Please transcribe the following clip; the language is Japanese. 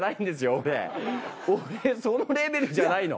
俺そのレベルじゃないの。